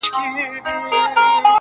که نه نو ولي بيا جواب راکوي.